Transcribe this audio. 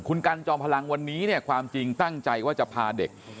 คุณกันจอมพลังวันนี้เนี่ยความจริงตั้งใจว่าจะพาเด็ก